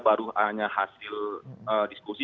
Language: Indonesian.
baru hanya hasil diskusi